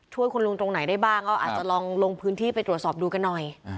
ช่วยคุณลุงตรงไหนได้บ้างก็อาจจะลองลงพื้นที่ไปตรวจสอบดูกันหน่อย